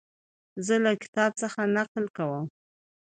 زه له کتاب څخه نقل کوم.